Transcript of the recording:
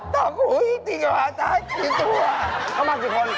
ทำอะไรกี่คน